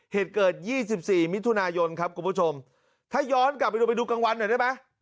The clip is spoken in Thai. เหตุเกิด๒๔มิถุนายนครับคุณผู้ชมถ้าย้อนกลับไปดูไปดูกลางวันหน่อยได้ไหม